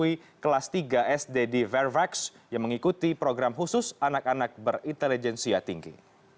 adinda rania adalah siswa kelas tiga sd di vervax yang mengikuti program khusus anak anak berintelijensi tinggi